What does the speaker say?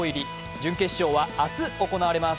準決勝は明日行われます。